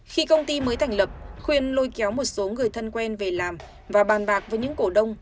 khi công ty mới thành lập khuyên lôi kéo một số người thân quen về làm và bàn bạc với những cổ đông